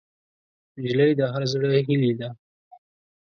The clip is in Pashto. نجلۍ د هر زړه هیلې ده.